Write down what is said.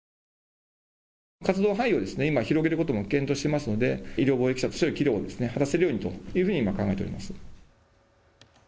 活動範囲を広げることも検討していますので医療防疫者としての器量を果たせるように考えています。